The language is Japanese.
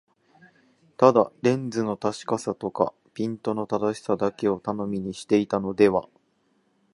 ただレンズの確かさとかピントの正しさだけを頼みにしていたのでは、